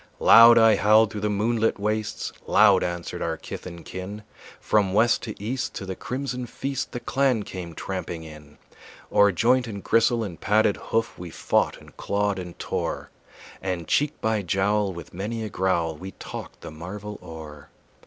Loud I howled through the moonlit wastes, Loud answered our kith and kin; From west to east to the crimson feast The clan came tramping in. O'er joint and gristle and padded hoof We fought and clawed and tore, And cheek by jowl with many a growl We talked the marvel o'er.